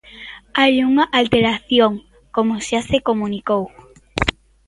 Hai unha alteración, como xa se comunicou.